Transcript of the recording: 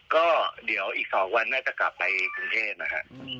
ก็เดี๋ยวอีก๒วันน่าจะกลับไปกรุงเทพนะฮะ